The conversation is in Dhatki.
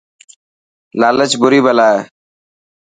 لالچ بري بلا هي.